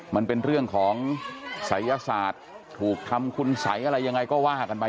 มันเป็นเรื่องของศัยศาสตร์ถูกทำคุณสัยอะไรยังไงก็ว่ากันไป